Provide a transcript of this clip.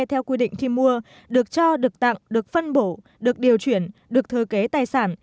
theo quy định khi mua được cho được tặng được phân bổ được điều chuyển được thừa kế tài sản